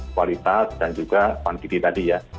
kualitas dan juga pantidi tadi ya